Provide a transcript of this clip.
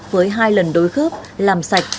với hai lần đối khớp làm sạch